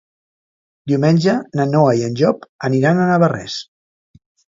Diumenge na Noa i en Llop aniran a Navarrés.